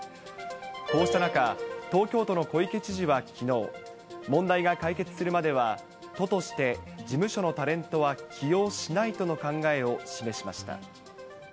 こうした中、東京都の小池知事はきのう、問題が解決するまでは、都として事務所のタレントは起用しないとの考えを示しました。